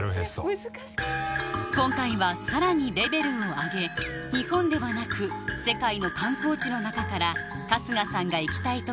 今回はさらにレベルを上げ日本ではなく世界の観光地の中から春日さんが行きたい所